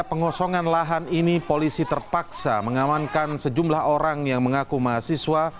pengosongan lahan ini polisi terpaksa mengamankan sejumlah orang yang mengaku mahasiswa